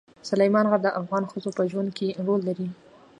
سلیمان غر د افغان ښځو په ژوند کې رول لري.